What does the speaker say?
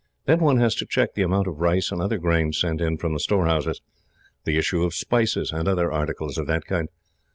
Then one has to check the amount of rice and other grain sent in from the storehouses, the issue of spices, and other articles of that kind.